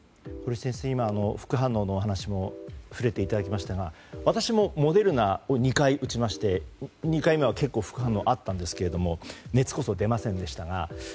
堀先生、副反応のお話も触れていただきましたが私もモデルナを２回打ちまして２回目は結構副反応があったんですが熱こそでませんでしたが。